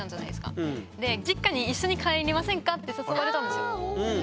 で「実家に一緒に帰りませんか？」って誘われたんですよ。